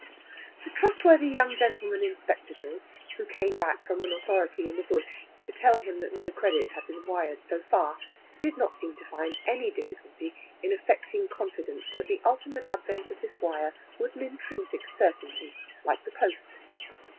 The trustworthy young gentleman in spectacles who came back from an authority in the bush to tell him that no credit had been wired so far, did not seem to find any difficulty in affecting confidence that the ultimate advent of this wire was an intrinsic certainty, like the post.